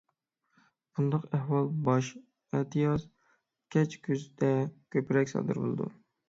بۇنداق ئەھۋال باش ئەتىياز، كەچ كۈزدە كۆپرەك سادىر بولىدۇ.